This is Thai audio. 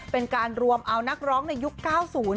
เป็นการรวมเอานักร้องในยุค๙๐